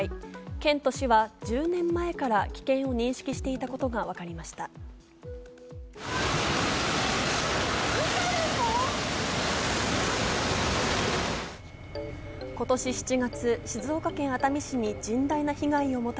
県と市は１０年前から危険を認識していたことがわかりました。